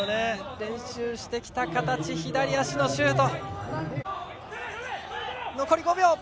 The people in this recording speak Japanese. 練習してきた形左足のシュート。